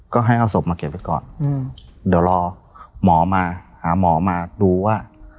ก็ให้เอาศพมาเก็บไว้ก่อนเดี๋ยวรอหมอมาหาหมอมาดูว่า